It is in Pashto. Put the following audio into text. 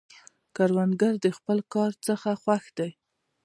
کروندګر د خپل کار څخه خوښ دی